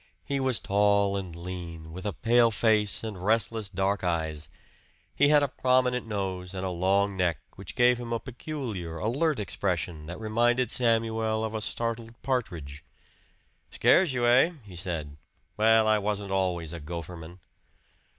He was tall and lean, with a pale face and restless dark eyes. He had a prominent nose and a long neck, which gave him a peculiar, alert expression that reminded Samuel of a startled partridge. "Scares you, hey?" he said. "Well, I wasn't always a gopherman."